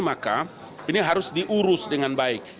maka ini harus diurus dengan baik